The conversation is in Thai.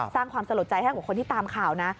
สร้างความสลดใจให้กับคนที่ตามข่าวนะ